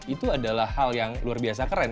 itu adalah hal yang luar biasa keren